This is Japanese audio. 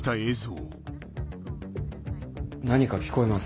何か聞こえます。